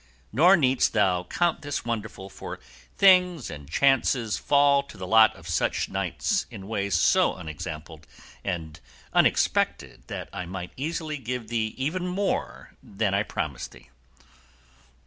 Nor needst thou count this wonderful, for things and chances fall to the lot of such knights in ways so unexampled and unexpected that I might easily give thee even more than I promise thee."